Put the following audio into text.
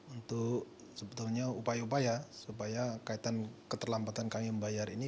untuk sebetulnya upaya upaya supaya kaitan keterlambatan kami membayar ini